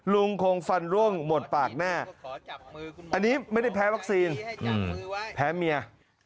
ลุงคงฟันร่วงหมดปากแน่อันนี้ไม่ได้แพ้วัคซีนแพ้เมีย